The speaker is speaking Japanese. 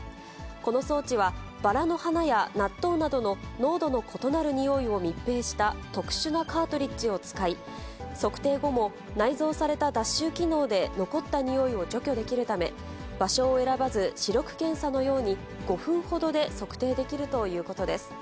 この装置は、バラの花や納豆などの濃度の異なるにおいを密閉した特殊なカートリッジを使い、測定後も、内蔵された脱臭機能で残ったにおいを除去できるため、場所を選ばず、視力検査のように、５分ほどで測定できるということです。